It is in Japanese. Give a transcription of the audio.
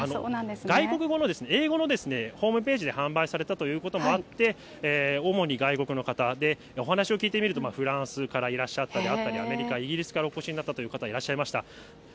外国語の、英語のホームページで販売されたということもあって、主に外国の方、で、お話を聞いてみますと、フランスからいらっしゃったり、アメリカ、イギリスからお越しになったという方がいらっしゃいました。